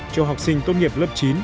cho học sinh tốt nghiệp lớp chín